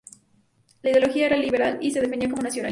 Su ideología era liberal y se definía como nacionalista.